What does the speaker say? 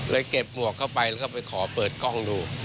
เก็บหมวกเข้าไปแล้วก็ไปขอเปิดกล้องดู